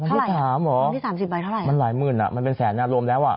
ของที่๓เหรอมันล้ายหมื่นอะมันเป็นแสนเริ่มแล้วอะ